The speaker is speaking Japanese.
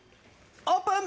オープン！